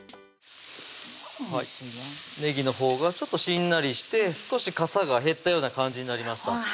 もうおいしいなねぎのほうがちょっとしんなりして少しかさが減ったような感じになりました